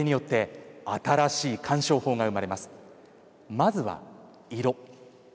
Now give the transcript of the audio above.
まずは色。